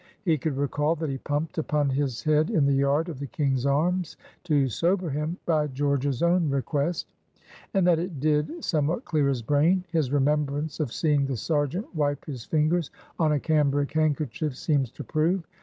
He could recall that he pumped upon his head in the yard of the King's Arms, to sober him, by George's own request; and that it did somewhat clear his brain, his remembrance of seeing the sergeant wipe his fingers on a cambric handkerchief seems to prove.